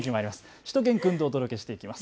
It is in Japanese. しゅと犬くんとお届けしていきます。